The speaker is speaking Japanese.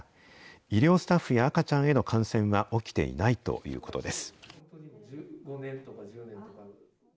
医療スタッフや赤ちゃんへの感染は起きていないということです。